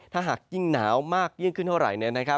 ถ้าหากยิ่งหนาวมากยิ่งขึ้นเท่าไหร่